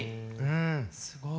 すごい。